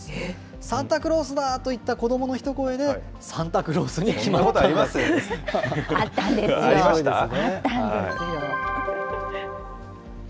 サンタクロースだと言った子どもの一声で、サンタクロースに決まあったんですよ。